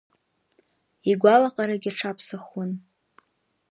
Игәалаҟарагь аҽаԥсахуан.